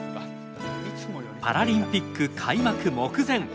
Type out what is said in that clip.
パラリンピック開幕目前。